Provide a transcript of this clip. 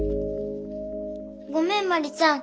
ごめん茉莉ちゃん。